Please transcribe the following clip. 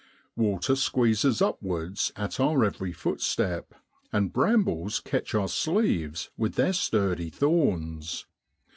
Water squeezes upwards at our every footstep, and brambles catch our sleeves with their sturdy thorns.